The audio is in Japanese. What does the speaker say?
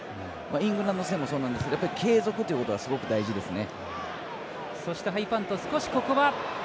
イングランド戦もそうなんですけど継続ということがすごく大事ですね。